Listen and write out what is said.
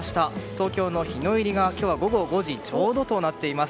東京の日の入りが、今日は午後５時ちょうどとなっています。